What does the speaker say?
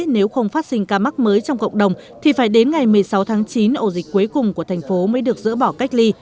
nếu không phát sinh ca mắc mới trong cộng đồng thì phải đến ngày một mươi sáu tháng chín ổ dịch cuối cùng của thành phố mới được dỡ bỏ cách ly